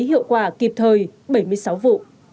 hiệu quả kịp thời bảy mươi sáu vụ